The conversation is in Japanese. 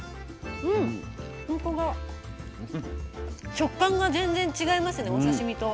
食感が全然違いますねお刺身と。